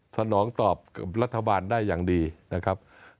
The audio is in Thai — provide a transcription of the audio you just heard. สนองตอบกับรัฐบาลได้อย่างดีนะครับ